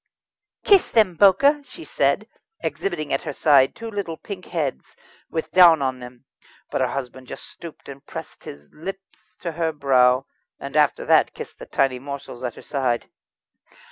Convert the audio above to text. "Kiss them, Bowker," said she, exhibiting at her side two little pink heads, with down on them. But her husband just stooped and pressed his lips to her brow, and after that kissed the tiny morsels at her side.